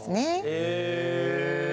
へえ。